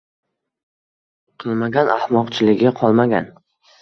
Qilmagan ahmoqchiligi qolmagan.